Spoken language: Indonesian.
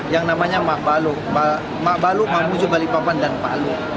yang namanya makbalu mamuju balikpapan dan palu